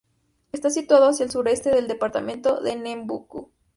Está situado hacia el sureste del departamento de Ñeembucú.